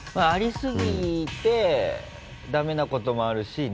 ありすぎてダメなこともあるし